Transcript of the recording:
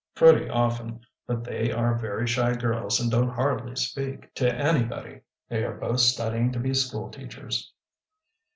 "Pretty often. But they are very shy girls and don't hardly speak to anybody. They are both studying to be school teachers."